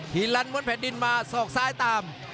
ีลันม้วนแผ่นดินมาสอกซ้ายตาม